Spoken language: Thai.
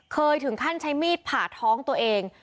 เคยถึงขั้นใช้มีดผ่าท้องตัวเอง